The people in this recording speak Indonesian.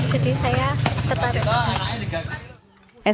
jadi saya tertarik